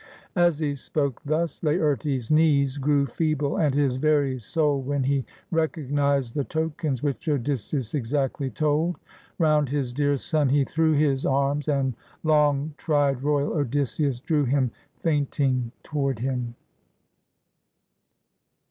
As he spoke thus, Laertes' knees grew feeble and his very soul, when he recognized the tokens which Odys seus exactly told. Round his dear son he threw his arms, and long tried royal Odysseus drew him fainting toward him.